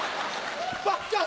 ばあちゃん